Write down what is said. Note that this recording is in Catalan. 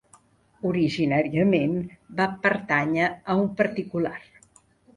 Originàriament va pertànyer a un particular.